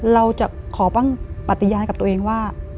เราจะขอบ้างปฏิญาณกับตัวเองว่า